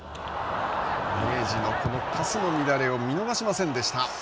明治のこのパスの乱れを見逃しませんでした。